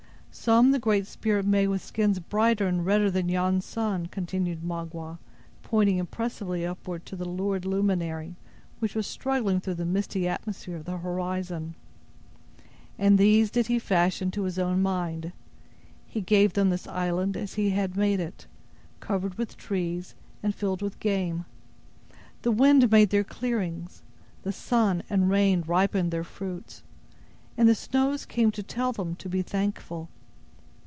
"Some the Great Spirit made with skins brighter and redder than yonder sun," continued Magua, pointing impressively upward to the lurid luminary, which was struggling through the misty atmosphere of the horizon; "and these did He fashion to His own mind. He gave them this island as He had made it, covered with trees, and filled with game. The wind made their clearings; the sun and rain ripened their fruits; and the snows came to tell them to be thankful.